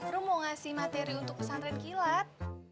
ru mau ngasih materi untuk pesantren kilat